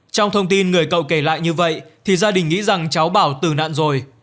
trong thông tin người cậu kể lại như vậy thì gia đình nghĩ rằng cháu bảo tử nạn rồi